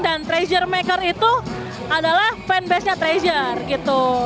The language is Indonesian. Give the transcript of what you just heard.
dan treasure maker itu adalah fanbase nya treasure gitu